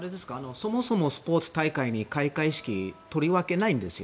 そもそもスポーツ大会に開会式はとりわけ、ないんですよ。